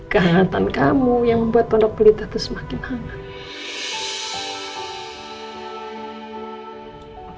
kehangatan kamu yang membuat pondok pelita itu semakin hangat